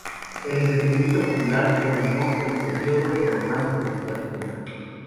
El entretenimiento popular dominó el período con más intensidad que nunca.